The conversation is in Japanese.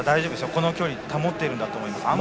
この距離を保っていると思います。